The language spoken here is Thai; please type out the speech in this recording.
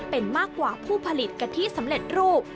เป็นมากกว่าผู้ผลิตกะทิสำเร็จรูป